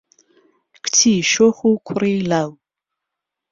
کچی شۆخ و کوڕی لاو